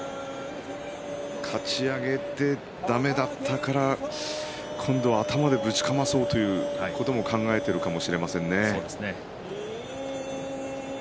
かち上げてだめだったから今度は頭でぶちかまそうということも考えているかもしれませんね。